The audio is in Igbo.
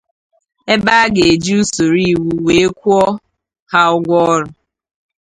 ebe a ga-eji usoro iwu wee kwụọ ha ụgwọ ọrụ.